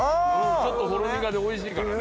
ちょっとほろ苦でおいしいから。